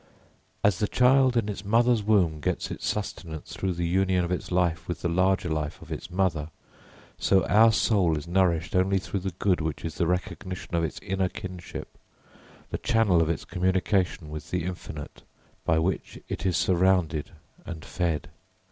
As the child in its mother's womb gets its sustenance through the union of its life with the larger life of its mother, so our soul is nourished only through the good which is the recognition of its inner kinship, the channel of its communication with the infinite by which it is surrounded and fed.